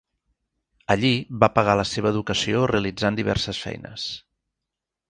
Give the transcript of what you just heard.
Allí va pagar la seva educació realitzant diverses feines.